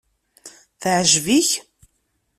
Teɛjeb-ik?